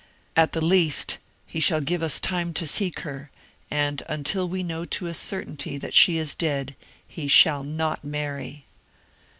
At the least, he shall give us time to seek her; and until we know to a certainty that she is dead, he shall not marry."